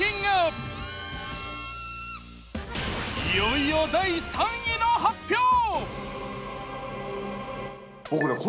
いよいよ第３位の発表！